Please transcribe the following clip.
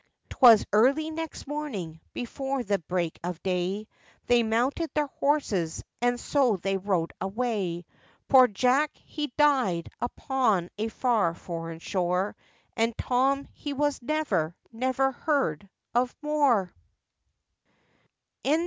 'Twas early next morning, before the break of day, They mounted their horses, and so they rode away. Poor Jack, he died upon a far foreign shore, And Tom, he was never, never heard of more!